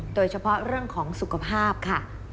โดยเฉพาะเรื่องของสุขภาพค่ะ